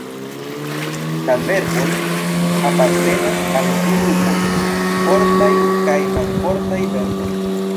La verboj apartenas al du grupoj, fortaj kaj malfortaj verboj.